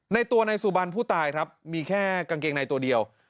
ในตัวนายสุบันผู้ตายครับมีแค่กางเกงในตัวเดียว